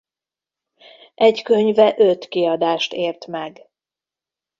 Egy könyve öt kiadást ért meg.